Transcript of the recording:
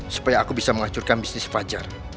supaya aku bisa menghancurkan bisnis fajar